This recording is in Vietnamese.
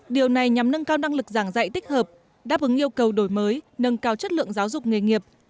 điều này nhằm nâng cao năng lực giảng dạy tích hợp đáp ứng yêu cầu đổi mới nâng cao chất lượng giáo dục nghề nghiệp